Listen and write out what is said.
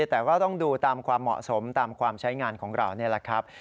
แต่ก็ต้องดูตามความเหมาะสมตามความใช้งานของเรานี่แหละครับ